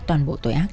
toàn bộ tội ác